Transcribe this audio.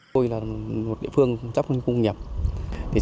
tôi là một địa phương chấp nhận công nghiệp